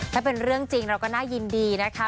ถ้าเป็นเรื่องจริงเราก็น่ายินดีนะคะ